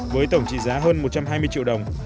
với tổng trị giá hơn một trăm hai mươi triệu đồng